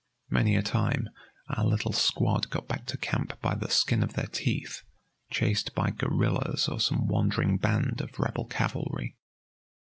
Many a time our little squad got back to camp by the skin of their teeth, chased by guerrillas or some wandering band of Rebel cavalry.